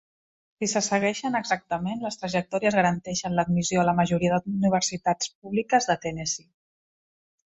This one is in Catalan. Si se segueixen exactament, les trajectòries garanteixen l'admissió a la majoria d'universitats públiques de Tennessee.